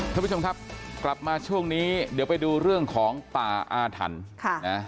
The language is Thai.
ท่านผู้ชมครับกลับมาช่วงนี้เดี๋ยวไปดูเรื่องของป่าอาถรรพ์ค่ะนะ